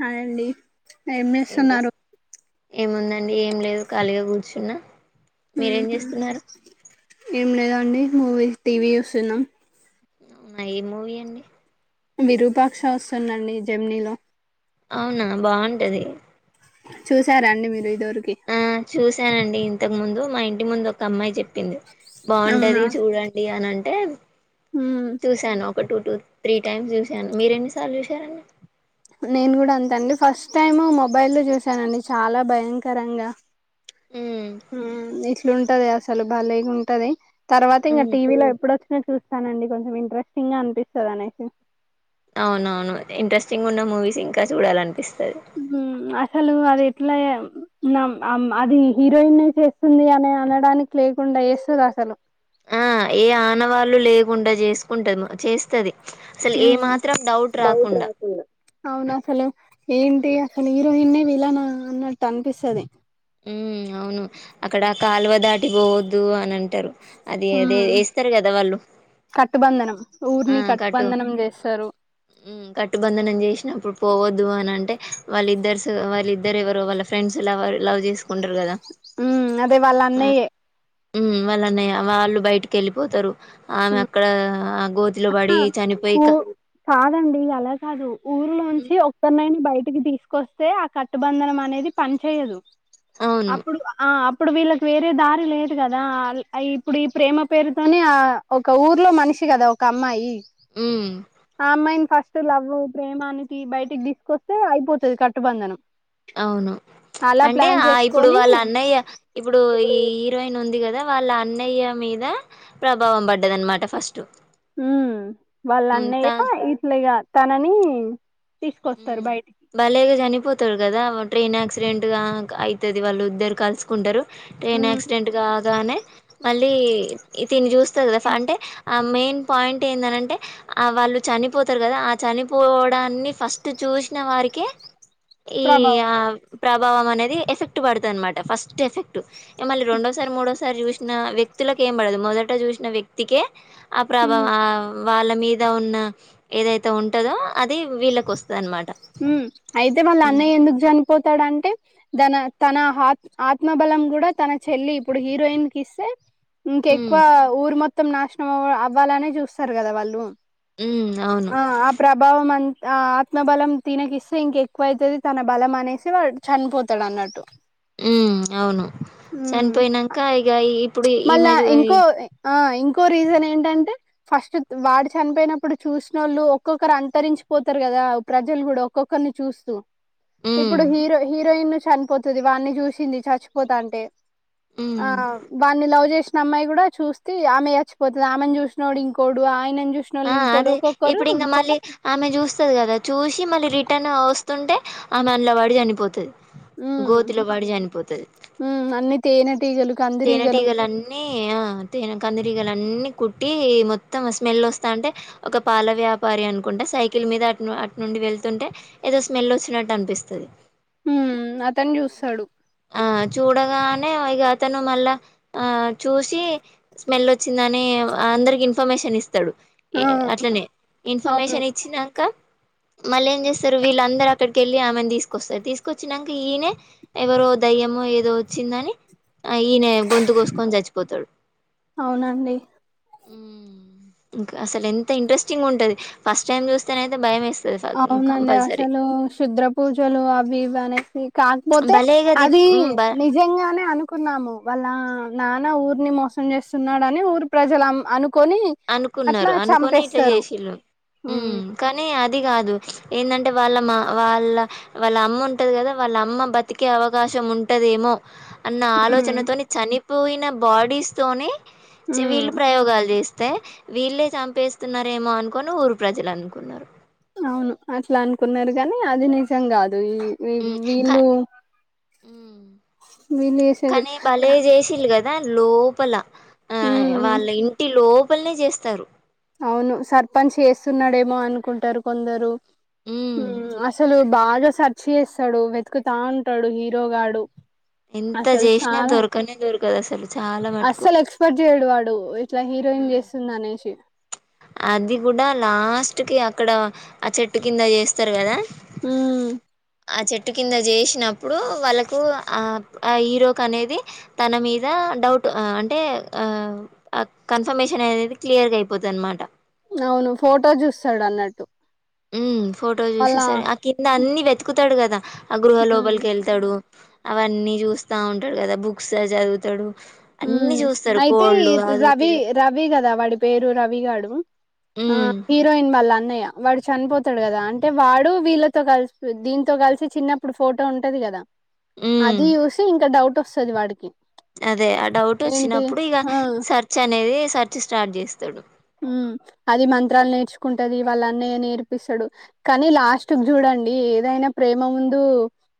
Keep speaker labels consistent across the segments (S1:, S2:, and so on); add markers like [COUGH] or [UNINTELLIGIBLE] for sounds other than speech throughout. S1: Hi అండి ఏం చేస్తున్నారు
S2: ఏముందండి ఏం లేదు ఖాళీగా కూర్చున్నా మీరేం చేస్తున్నారు
S1: అండి మూవిల్ టీ వి చూస్తున్నాం
S2: అవునా ఏం మూవీ అండి
S1: విరూపాక్ష వస్తుందండి జెమినీ లో
S2: అవునా బావుంటది
S1: చూశారా అండి మీరు ఇదో దుకి
S2: శానండి ఇంతకు ముందు మా ఇంటి ముందు ఒక అమ్మాయి చెప్పింది
S1: అవునా
S2: బావుంటది చూడండి అనన్ టేం చూశాను క టూ టూ త్రీ టైమ్స్ చూశాను మీరెన్నిసార్లు చూశారండి
S1: నేను కూడా అంత అండి ఫస్ట్ టైము మొబైల్లో చూశానండి చాలా భయంకరంగా
S2: మ్మ్
S1: ఉమ్మ్ ఇట్లుంటది అస సలు భలేగుంటది తర్వాత ఇంకా
S2: మ్మ్
S1: టీ వీ లో ఎప్పుడో [UNINTELLIGIBLE] చూస్తానండి కొంచెం ఇంట్రెస్టింగ్ గా అన్పిస్తదనేసి
S2: అవునవును ఇంట్రెస్టింగ్ ఉన్న మూవీస్ ఇంకా చూడాలనిపిస్
S1: ఉమ్మ్ అసలు అది ఎట్ల యం మం అం అది హీరోయిన్ ఏ చేస్తుంది అని అనడానికి లేకుండా చేస్తది అసలు
S2: ఆ ఏ ఆనవాళ్ళు లేకుండా చేసుకుంటది చేస్తుది అసలు ఏ మాత్రం డౌట్ రాకుండా
S1: అవునసలు ఏంటి అసలు హీరోయిన్ ఏ విలానా అన్నట్టు అనిపిస్తది
S2: ఉమ్మ్ అవును అక్కడ కాలువ దాటి పోవద్దు అని అంటారు అది అదే
S1: ఉమ్మ్
S2: ఏస్తారు కదా వాళ్ళు
S1: కట్టుబంధనం ఊరిని కట్టుబంధనం చేస్తారు
S2: ఉమ్మ్ కట్టుబంధనం చేసినప్పుడు పోవద్దు అని అంటే వాళ్ళిద్దర్స్ వాళ్ళిద్దరు ఎవరో వాళ్ళ ఫ్రెండ్స్ లవర్ లవ్ చేసుకుంటరు కదా
S1: ఉమ్మ్ అదే వాళ్ళ అన్నయ్యే
S2: ఉమ్మ్ వాళ్ళన్నయ వాళ్ళు బయటికెళ్ళిపోతరు ఆమె అక్కడ ఆ గోత్
S1: [UNINTELLIGIBLE] ఉ కాదండి అలా కాదు ఊర్లో [UNINTELLIGIBLE]
S2: ఉమ్,
S1: చి ఒక్కన్ నాయని బయటికి తీసుకొస్తే ఆ కట్టుబంధనం అనేది పని చెయ్యదు
S2: అవును
S1: అప్పుడు ఆ అప్పుడు వీళ్ళక్ వేరే దారి లేదు కదా అల్ ఆ ఇప్పుడు ఈ ప్రేమ పేరుతోనే ఆ ఒక ఊర్లో మనిషి కదా కమ్మయి
S2: హ్మ్
S1: అ అమ్మాయిన్ ఫస్ట్ తులవు ప్రేమా అనికి బయటికి తీసుకొస్తే అయిపోతది కట్టుబంధనం
S2: అవును
S1: అలా
S2: అంటే
S1: ప్లాన్
S2: ఆ ఇప్పుడు
S1: చేసుకొని
S2: వాళ్ళ అన్నయ్య ఇప్పుడు ఈ హీరోయిన్ ఉ ది కదా వాళ్ళ అన్నయ్య మీద ప్రభావం పడ్డది అనమాట ఫస్ట్
S1: ఉమ్మ్ వాళ్ళ
S2: అంతా
S1: అన్నయ్య ఇట్ల్ ఇగ తననీ
S2: ఉమ్ బలేగా జనిపోతర్ కదా ట్రైన్ యాక్సిడెంట్ గా అయితది వాళ్ళు ఇద్దరు కలుసుకుంటరు ట్రైన్
S1: ఉమ్
S2: యాక్సిడెంట్ గా గానే మళ్ళీ ఇ తిన్ చుస్ తద్గస అంటే ఆ మెయిన్ పాయింట్ ఏందనంటే వాళ్ళు చనిపోతారు కదా ఆ చనిపోవడాన్ని ఫస్ట్ టు చూసిన వారికె ఈ
S1: ప్రభావం
S2: ఆ ప్రభావం అనేది ఎఫెక్ట్ పడుతన్మాట ఫస్ట్ ఎఫెక్ట్ మళ్ళీ రెండోసారి మడోసారి జుష్ నా వ్యక్తులక్ ఏం పడదు మొదట చూసిన వ్యక్తికే అ
S1: ఉమ్
S2: ప్రభావ ఆ వాళ్ళ మీద ఉన్న ఏదైతే ఉంటందో అది వీళ్ళకి ఒస్
S1: ఉమ్ అయితే వాళ్ళ అన్నయ్య ఎందుకు జన్ పోతాడంటే దన తన ఆత్ ఆత్మబలం కూడా తన చెల్లి ఇప్పుడు హీరోయిన్ కిస్తే ఇంక
S2: ఉమ్
S1: ఎక్కువ ఊర్ మొత్ త్తం నాశనం అవ్ అవ్వాలనే చూస్తారు కదా వాళ్ళు
S2: ఉమ్ అవును
S1: ఆ ప్రభావం ఆ ఆత్మబలం తినకిస్తే ఇంక ఎక్కువ అయితది తన బలం అనేసి వాడు చనిపోతడ్ అన్నట్టు
S2: ఉమ్ అవును
S1: ఉమ్
S2: చనిపోయినాంక ఇగ ఇ
S1: మళ్ళా ఇంకో ఆ ఇంకో రీజన్ ఏంటంటే. ఫస్ట్ వాడు చనిపోయినప్పుడు చూసిన ఒళ్ళు ఒక్కొక్కరు అంతరించిపోతరు కదా. ప్రజలు కుడ ఒక్కొక్కరిని చూస్తూ.
S2: ఉమ్
S1: ఇప్పుడు హీరో హీరోయిన్ చన్పోతది వాడిని చూసింది చచ్చిపోత అంటే
S2: ఉమ్
S1: ఆ లవ్ చేసిన అమ్మాయి గూడా చూస్తే ఆమె చచ్చిపోతుంది ఆమెను చూసినోడు ఇంకోడు ఆయన
S2: ఆ అదే ఇప్పుడు ఇంగ మళ్ళీ ఆమె చూస్తది కదా చూసి మళ్ళీ రిట్ ట్టన్ వస్తుంటే ఆమె అనలోవడి చనిపోతది గోతులొబడి జనిపోతది
S1: ఉమ్ అన్ని తేనెటీగలు కందిరీగలు
S2: తేనటిగలన్నీ ఆ తేన కందిరిగలన్నీ కుట్టి మొత్తం స్మెల్ వస్తా అంటే ఒక పాల వ్యాపారి అనుకుంటే సైకిల్ మీద అటు అటు నుండి వెళ్తుంటే ఏదో స్మెల్ వచ్చినట్టు అనిపిస్తది
S1: హ్మ్ అతను జూస్తాడు.
S2: ఆ చూడగా ఏమో ఇగ అత్ అతను మళ్ళ ఆ చూసి స్మెల్ వొ చ్చిందని అందరికి ఇన్ఫ ర్మేషన్ ఇస్ త్తడు
S1: ఆ!
S2: అట్లనే
S1: అవును.
S2: ఇన్ఫర్మేషన్ ఇచ్చినంక మళ్ళీ ఏం చేస్తారు వీళ్ళందరూ అక్కడికి ఎళ్ళి ఆమెను తీసుకొస్తారు తీసుకొచ్చినంక ఈయనే ఎవరో దయ్యమో ఏదో వచ్చిందని ఆ ఈయనే గొంతు గోసుకొని చచ్చిపోతాడు
S1: అవునండి.
S2: ఊమ్ ఇంకా అసలు ఎంత ఇంట్రెస్టింగ్ ఉంటది ఫస్ట్ టైమ్ చూస్తేనయితే భయం ఎస్
S1: అవునండి అసలు క్షుద్ర పూజలు అవి ఇవి అనేసి కాకపోతే
S2: భలేగా దిప్
S1: అది
S2: ఉమ్ బ
S1: నిజంగానే అనుకున్నాము వాళ్ళ నాన్న ఊరు ని మోసం చేస్తున్నాడని ఊరు ప్రజలం అను
S2: అనుకున్నారు అనుకొని ఇట్లా జెషిల్లు
S1: హ్మ్.
S2: ఊమ్ కానీ అ ది గాదు ఏంటంటే వాళ్ళ మా వాళ్ళ వాళ్ళ అమ్మ ఉంటది కదా వాళ్ళ అమ్మ బతికే అవకాశం ఉంటదేమో అన్న
S1: హ్మ్.
S2: ఆలోచనతోని చని పోయిన బాడీస్ తోనే చె
S1: హ్మ్.
S2: వీళ్ళు ప్రయోగాలు చేస్ తె వీళ్ళే చంపేస్తున్నారేమో అనుకొని ఊరు ప్రజలు అనుకున్నారు
S1: అవును అట్లా అనుకున్నారు గాని అది నిజం గాదు వి వి
S2: ఉమ్ కా
S1: వీళ్ళు
S2: ఉమ్ దా లోపల ఆ
S1: హ్మ్.
S2: వాళ్ళ ఇంటిలో పల్నే జేస్తారు
S1: అవును సర్పంచ్ చేస్తున్నాడేమో అనుకుంటారు కొందరు
S2: ఉమ్
S1: ఊమ్ అసలు బాగా సర్చ్ చేస్తాడు వెతుకుతా ఉంటాడు హీరోగాడు
S2: ఎంత
S1: అసలు
S2: చేసినా
S1: చాలా
S2: దొరకనే దొరకదు అసలు చాలా మట్టుకు
S1: దోయ్ ఇట్లా హీరోయిన్ చేస్తుంది అనేసి
S2: అది కూడా లాస్ట్ కి అక్కడ ఆ చెట్టు కింద జేస్తారు కదా
S1: ఊమ్
S2: ఆ చెట్టు కింద చేసినప్పుడు వాళ్ళకు ఆ ఆ హీరోకి అనేది తన మీద డౌట్ ఆ అంటే ఆ ఆ కన్ఫర్మేషన్ అనేది క్లియర్గా అయిపోతది. దన్మాట
S1: అవును ఫోటో చూస్తడు అన్నట్టు
S2: ఉమ్ ఫోటో
S1: వాళ్ళ
S2: చూసేసరి ఆ కింద అన్ని వెతుకుతాడు కదా హా ఆ గృహ
S1: మ్మ్
S2: లోపలికి వెళ్తడు. అవన్నీ చూస్తా ఉంటాడు కదా బుక్స్ చదువుతాడు.
S1: ఉ
S2: అన్ని చూస్తారు
S1: అయితే
S2: కోళ్ళు అదోటి
S1: రవి
S2: ఇదోటి
S1: రవి కదా వాడి పేరు రవి గాడు ఆ
S2: హ్మ్
S1: హీరోయిన్ వాళ్ళ అన్నయ్య వాడు చనిపోతాడు కదా అంటే వాడు వీళ్ళతో కలిసి దీంతో కలిసి చిన్నప్పుడు ఫోటో ఉంటది కదా
S2: హ్మ్
S1: అది చూసి ఇంకా డౌట్ వస్ వస్తది వాడికి
S2: అదే ఆ డౌట్
S1: ఏంటి
S2: వచ్చినప్పుడు ఇగ
S1: ఆ
S2: సర్చ్ అనేది సర్చ్ స్టార్ట్ చేస్తాడు
S1: ఉమ్ అది మంత్రాలు నేర్చుకుంట అది వాళ్ళ అన్నయ్య నేర్పిస్తడు కానీ లాస్ట్ క్ చూడండి ఏదైనా ప్రేమ ముందు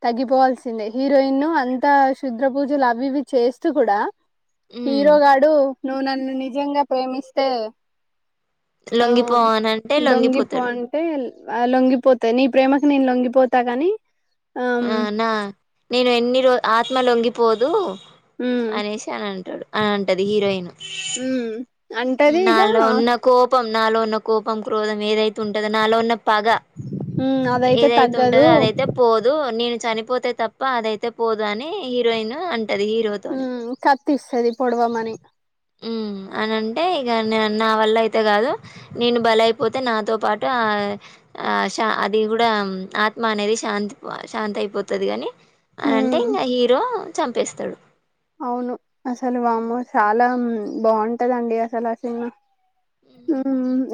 S1: తగ్గిపోవల్సిందే హీరోయిన్ ను అంత శుద్ర పూజలు అవి ఇవి చేస్తూ కూడా
S2: హ్మ్
S1: హీరో గాడు నువ్వు నను నన్ను నిజంగా ప్రేమిస్తే ఆ
S2: లొంగిపోవనంటే
S1: లొంగిపో
S2: లొంగిపోతాడు.
S1: అంటే ఆ లొంగిపోతా నీ ప్రేమకు నేను లొంగిపోతగాని
S2: ఆనా నేను ఎన్ని రోజ ఆత్మ లొంగిపోదు.
S1: హ్మ్
S2: అనీషి అని అంటడు. అని అంటది హీరోయిన్
S1: ఉ అంటది ఇగా
S2: నాలో ఉన్న కోపం నాలో ఉన్న కోపం క్రోధం ఏదైతే ఉంటందో నాలో ఉన్న పగ
S1: హ్మ్ అదైతే
S2: ఏదైతే
S1: తగ్గదు
S2: ఉంటందో అదైతే పోదు. నేను చనిపోతే తప్ప అదయితే పోదు అని హీరోయిన్ అంట అది హీరోతోని
S1: తీస్తది పొడవమని
S2: మ్ అనంటే ఇక నా వల్ల అయితే కాదు నేను బలి అయిపోతే నాతో పాటు ఆ అది కూడా ఆత్మ అనేది శాంతి శాంతి అయిపోతది గాని అని అంటే
S1: హ్మ్
S2: ఇంగ హీరో చంపేస్తాడు
S1: అవును అసలు వామ్మో చాలా బావుంటదండి అసలు ఆ సినిమా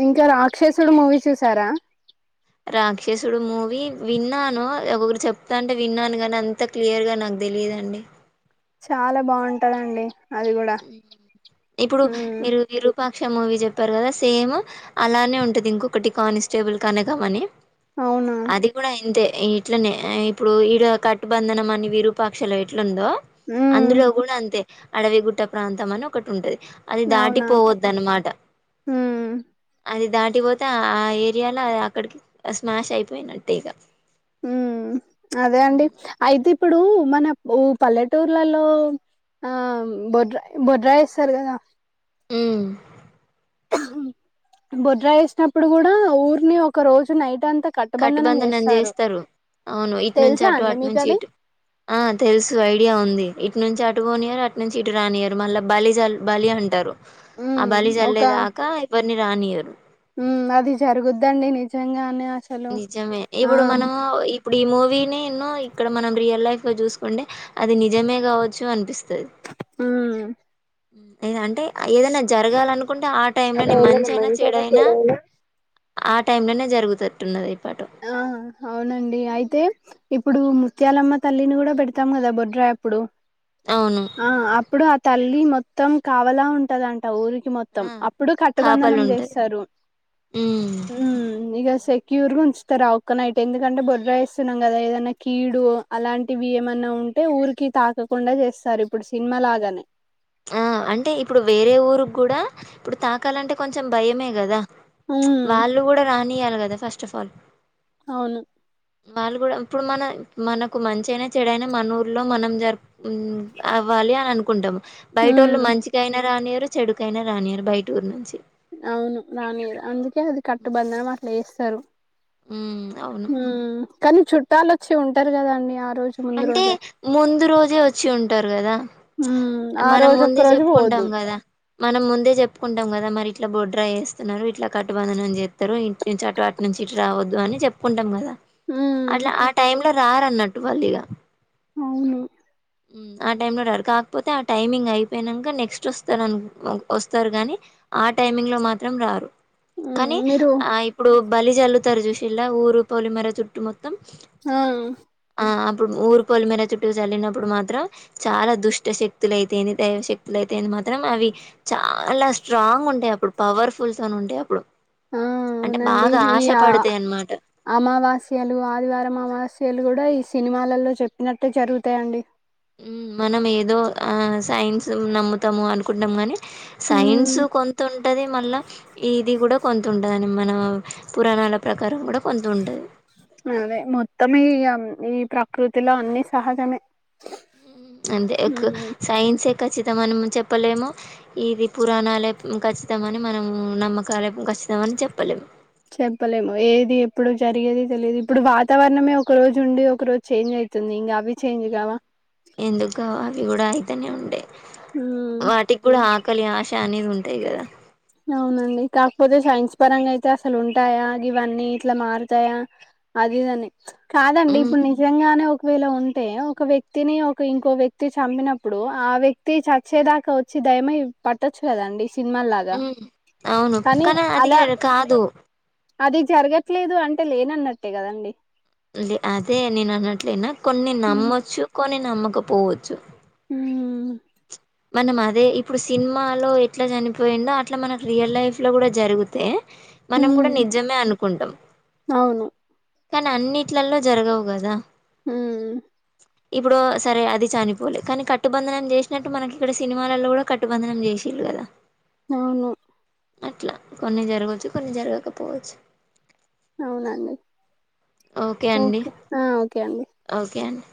S1: ఇంకా రాక్షసుడు మూవీ చూసారా
S2: రాక్షసుడు మూవీ విన్నాను ఒకొరు చెప్తాంటే విన్నాను కాగానీ అంత క్లియర్ గా నాకు తెలియదండి
S1: చాలా బావుంటందండి
S2: ఇప్పుడు మీరు వి రూపా క్ష మూవీ చెప్పారు కదా సేమ్ అలానే ఉంటుంది ఇంకొకటి కానిస్టేబుల్ కనక మని
S1: అవునా
S2: అది కూడా ఇంతే ఇట్లనే ఇప్పుడు ఈడ కట్టుబంధనం అని విరూపాక్షలో ఎట్లుందో అందులో
S1: మ్మ్
S2: గూడా అంతే అడవి గుట్ట ప్రాంతం అని ఒకటి ఉంటది అది
S1: అవునా
S2: దాటిపోవద్ద అన్నమాట
S1: మ్మ్
S2: అది దాటి దాటిపోతే ఆ ఏరియాలో అక్కడికి స్మాష్ అయిపోయినట్టే ఇక
S1: ఉ... అదే అండి అయితే ఇప్పుడూ మనం ఊ పల్లెటూర్లలో ఆ బొడ్రాయి బొడ్రాయి వేస్తారు కదా
S2: మ్
S1: బుడ్రాయి వేసినప్పుడు కూడా ఊరిని ఒక రోజు నైట్
S2: కట్టుబంధనం అని చేస్తారు అవును ఇటు నుంచి
S1: తెలుసా
S2: అటు
S1: అండి
S2: అటు
S1: మీకు
S2: నుంచి
S1: అది
S2: ఇటు ఆ తెలుసు ఐడియా ఉంది ఇ ఇటు నుంచి అటు పోనియారు అటు నుంచి ఇటు రానియరు మళ్ళా బలిజలి బలి అంటారు ఆ
S1: మ్మ్
S2: బలి జల్లేదాక ఎవ్యరిని రానీయరు
S1: మ్... అది జరుగుద్దండి నిజంగానే అ
S2: నిజమే ఇప్పుడు మనము ఇప్పుడు ఈ మూవీనే ఎన్నో ఇక్కడ మనం రియల్ లైఫ్ లో చూసుకుంటే అది నిజమే కావచ్చు అనిపిస్తుంది స లేద అంటే ఏదైనా జరగాలనుకుంటే ఆ టైం లోనే
S1: అదైనా
S2: మంచైనా
S1: మంచిదా
S2: చెడైనా ఆ టైమ్ లోనే జరుగుతున్నట్టున్నది
S1: ఆ అవునండి అయితే ఇప్ ఇప్పుడు ముత్యాలమ్మ తల్లిని కూడా పెడతాం కదా బొడ్రాయి అప్పుడు
S2: అవును
S1: ఆ అప్పుడు ఆ తల్లి మొ మొత్తం కావలా ఉంటదంట టైం ఊరికి మొత్తం
S2: ఆ
S1: అప్పుడు
S2: కాపలు
S1: కట్టబంధనం
S2: ఉంటది
S1: చేస్తారు
S2: ఉమ్
S1: ఇక శక్ క్యూర్ గు ఉంచ్ ర్ ఒక్కనైట్ ఎందుకంటే బొడ్రాయి వస్తున్నాం కదా ఏదన్నా కీడు అలాంటివి ఏమన్నా ఉంటే ఊరికి తాకకుండా చేస్తారు ఇప్పుడు సినిమా లాగానే
S2: ఆ అంటే ఇప్పుడు వేరే ఊరుకి కూడా ఇప్పుడు తాకాలంటే కొంచెం భయమే కదా
S1: ఉమ్
S2: వాళ్ళు కూడా రానియ కద ఫస్ట్ ఆఫ్ ఆల్
S1: అవును
S2: వాళ్ళు కూడా ఇప్పుడు మన మనకు మంచియైన చెడైనా మన ఊర్లో మనం జరుపు అవ్వాలి అని అనుకు కుంటము బయట వాళ్ళు
S1: ఉమ్
S2: మంచిగా అయినారానియర్ చెడుకైననా రానియారు బయటూరు నుంచి
S1: అవును రానియరు అందుకే అది కట్టుబందనం అట్లా చేస్త తరు
S2: ఉమ్ అవును
S1: ఉమ్ కనీ చుట్ చుట్టాలు వచ్చి ఉంటారు కదా అండి ఆ రోజు ముందు
S2: అంటే
S1: రోజే
S2: ముందు రోజే వచ్చి ఉంటారు కదా
S1: ఉమ్ ఆ
S2: మనం
S1: రోజు ఒక్క
S2: ముందే
S1: రోజు
S2: చెప్పుకుంటాం
S1: పోవద్దు
S2: కదా మనం ముందే చెప్పుకుంటాం కదా మరి ఇట్లా బొడ్రాయి చేస్తున్నారు ఇట్లా కట్టుబంధనం చేస్తారు ఇటు నుంచి అటు అటు నుంచి ఇటు రావద్దు అని చెప్పుకుంటాం కదా
S1: ఉమ్
S2: అట్లా ఆ టైమ్ ల రారు అన్నట్టు వాళ్ళీగ
S1: అవును
S2: ఆ టైమ్ లో రారు కాకపోతే ఆ టైమింగ్ అయిపోయినాక నెక్స్ట్ వస్తారు వస్తారు కాని ఆ టైమింగ్ లో మాత్రం రారు.
S1: ఉమ్
S2: కానీ
S1: మీరు
S2: ఆ ఇప్పుడు బలి జల్లుతరు చూసిల్ల ఊరు పోలి మేర చుట్టు మొత్
S1: ఆ
S2: ఇప్పుడు ఊరు పోల మీర చుట్టూ చల్లినప్పుడు మాత్రం చాలా దుష్ట శక్తులు అయితేఏంది దైవశక్తులు అయితే ఏంది మాత్రం అవి చాలా స్ట్రాంగ్ ఉంటాయి అప్పుడు పవర్ఫుల్స్ అని ఉంటాయి అప్పుడు
S1: ఆ
S2: అంటే
S1: అవునండి
S2: బాగా
S1: ఈ
S2: ఆశ
S1: అ
S2: పడతాయి అన్నమాట
S1: అమావాస్యాలు ఆదివారం అమావాస్య యలు కూడా ఈ సినిమాలలో చెప్పినట్టే జరుగుతయండి.
S2: ఉమ్ మనం ఏదో ఆ సైన్స్ను నమ్ముతాము అనుకుంటాం గాని సైన్స్
S1: ఉమ్
S2: కొంత ఉంటది మళ్ళ ఇది కూడా కొంత ఉంటుందని మన పురాణాల ప్రకారం కూడా కొంత ఉంటది.
S1: అదే మొత్తం ఈ ఈ ప్రకృతిలో అన్ని సహజమే
S2: అంతే ఒక
S1: ఉమ్
S2: సైన్స్ ఖచ్చితమం అని చెప్పలేము ఇది పురాణాలే ఖచ్చితమని మనము నమ్మకాలే ఖచ్చితమే అని చెప్పలేము.
S1: చెప్పలేము ఏది ఎప్పుడు జరిగేది తెలియదు ఇప్పుడు వాతావరణమే ఒక రోజు ఉండి ఒక రోజు చేంజ్ అయితుంది ఇంగ అవి చేంజ్
S2: యా
S1: కావా
S2: ఎందుకు గావు అవి గూడా అయి తనే ఉండె
S1: ఉమ్
S2: వాటికి కూడా ఆకలి ఆశ అనేది ఉం ఉంటాయి గదా
S1: అవునండి కాకపోతే సైన్స్ పరంగా అయితే అసలు ఉంటాయా గివన్నీ ఇట్లా మారుతాయా అది ఇది అని కాదండి
S2: ఉమ్
S1: ఇప్పుడు నిజంగానే ఒక వేళ ఉంటే ఒక వ్యక్తిని ఒక ఇంకో వ్యక్తి చంపినప్పుడు ఆ వ్యక్తి చచ్చేదాకా వచ్చి దయమై పట్టొచ్చు కద అండి సినిమాల్ లాగా
S2: ఉమ్ అవును కానీ అది రియల్ కాదు
S1: అది జరగట్లేదు అంటే లేను అన్నట్టే గద అండి
S2: అదే నేను అన్నట్లేనా కొన్ని నమ్మొచ్చు కొని నమ్మక పోవచ్చు
S1: ఊ
S2: మనం అదే ఇప్పుడు సినిమాలో ఎట్లా చనిపోయిందో అట్లా మనకి రియల్ లైఫ్ లో కూడా జరుగుతే మనం గూడా
S1: ఉమ్
S2: నిజమే అనుకుంటాం
S1: అవును
S2: కానీ అన్నీట్లలో జరగవు గదా
S1: హ
S2: ఇప్పుడు సరే అది చనిపోలే కానీ కట్టుబంధనం చేసినట్టు మనకి ఇక్కడ సినిమాలలో కూడా కట్టుబంధనం జేసిర్రు గదా
S1: అవును
S2: అట్లా కొన్ని జరగొచ్చు కొన్ని జరగకపోవచ్చు
S1: అవునండి
S2: ఓకే అండి
S1: ఆ ఓకే అండి
S2: ఓకే అండి